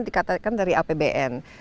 dikatakan dari apbn